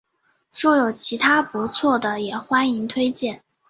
若有其他不错的也欢迎推荐